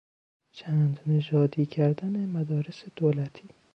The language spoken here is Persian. چند نژادی کردن مدارس دولتی